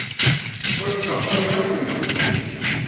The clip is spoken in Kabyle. Ur sseɣtayeɣ acemma.